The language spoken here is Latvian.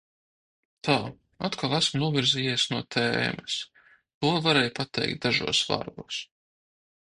Tā, atkal esmu novirzījies no tēmas – to varēju pateikt dažos vārdos.